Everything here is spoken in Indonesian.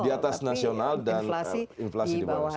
di atas nasional dan inflasi di bawah